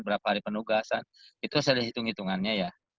berapa hari penugasan itu sudah dihitung hitungannya ya